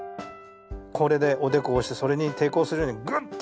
これでおでこを押してそれに抵抗するようにグッと。